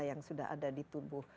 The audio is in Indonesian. yang sudah ada di tubuh